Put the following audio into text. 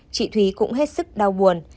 chị thúy cũng hết sức đau buồn